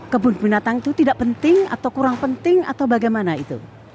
kebun binatang itu tidak penting atau kurang penting atau bagaimana itu